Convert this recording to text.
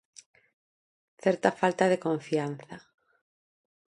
Certa falta de confianza.